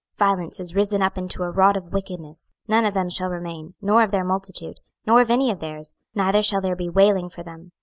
26:007:011 Violence is risen up into a rod of wickedness: none of them shall remain, nor of their multitude, nor of any of their's: neither shall there be wailing for them.